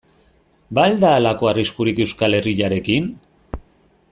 Ba al da halako arriskurik Euskal Herriarekin?